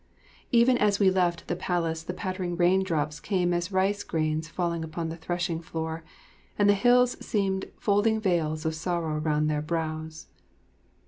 ] Even as we left the place the pattering rain drops came as rice grains falling upon the threshing floor, and the hills seemed "folding veils of sorrow round their brows."